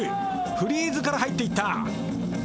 フリーズから入っていった。